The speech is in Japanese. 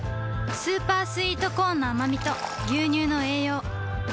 スーパースイートコーンのあまみと牛乳の栄養